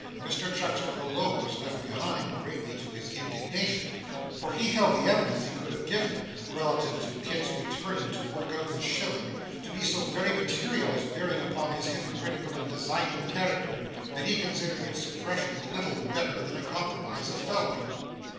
Mr Chuckster alone was left behind greatly to his indignation; for he held the evidence he could have given, relative to Kit's returning to work out the shilling, to be so very material as bearing upon his hypocritical and designing character, that he considered its suppression little better than a compromise of felony.